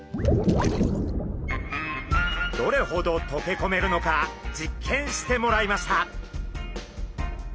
どれほど溶け込めるのか実験してもらいました。